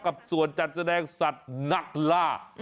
กับส่วนจัดแสดงสัตว์นักล่า